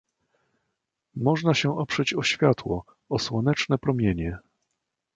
Można się oprzeć o światło, o słoneczne promienie.